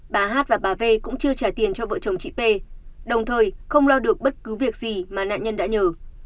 bà hát và bà v cũng chưa trả tiền cho vợ chồng chị p đồng thời không lo được bất cứ việc gì mà nạn nhân đã nhờ